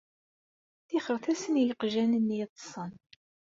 Ṭixret-asen i yeqjan-nni yeṭṭsen.